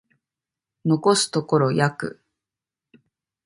残すところ約